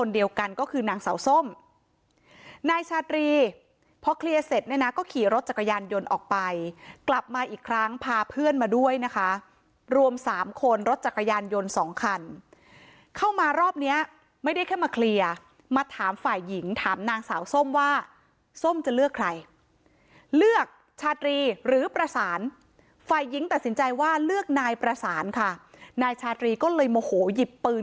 เดียวกันก็คือนางสาวส้มนายชาตรีพอเคลียร์เสร็จเนี่ยนะก็ขี่รถจักรยานยนต์ออกไปกลับมาอีกครั้งพาเพื่อนมาด้วยนะคะรวมสามคนรถจักรยานยนต์สองคันเข้ามารอบเนี้ยไม่ได้แค่มาเคลียร์มาถามฝ่ายหญิงถามนางสาวส้มว่าส้มจะเลือกใครเลือกชาตรีหรือประสานฝ่ายหญิงตัดสินใจว่าเลือกนายประสานค่ะนายชาตรีก็เลยโมโหหยิบปืน